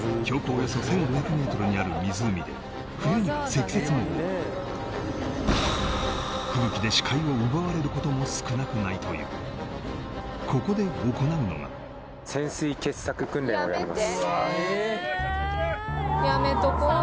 およそ１５００ｍにある湖で冬には積雪も多く吹雪で視界を奪われることも少なくないというここで行うのが潜水結索訓練をやります